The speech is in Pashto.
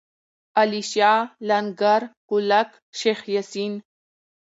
علیشه، لنگر، کولک، شیخ یاسین.